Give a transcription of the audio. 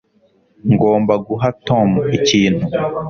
ngomba guha tom ikintu